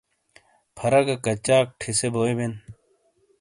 پھَرہ گہ کَچاک ٹھِیسے بوئی بین۔